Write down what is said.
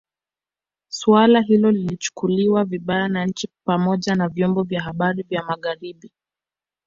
Suala hilo lilichukuliwa vibaya na nchi pamoja na vyombo vya habari vya Magharibi